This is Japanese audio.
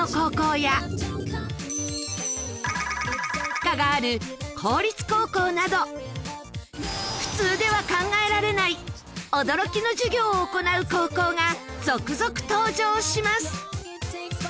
科がある公立高校など普通では考えられない驚きの授業を行う高校が続々登場します。